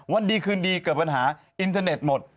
วันดีคืนดีเกิดปัญหาอินเทอร์เน็ตหมด